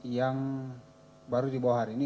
yang baru di bawah hari ini